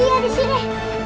iya di sini